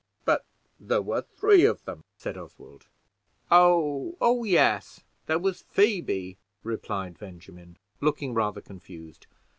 "But there were three of them," said Oswald. "Oh, yes; there was Phoebe," relied Benjamin, looking rather confused.